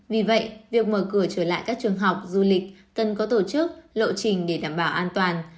vì vậy việc mở cửa trở lại các trường học du lịch cần có tổ chức lộ trình để đảm bảo an toàn